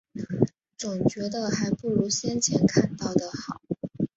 总觉得还不如先前看到的好